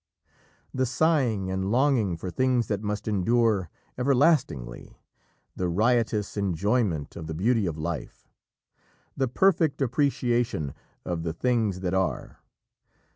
The sighing and longing for things that must endure everlastingly the riotous enjoyment of the beauty of life the perfect appreciation of the things that are.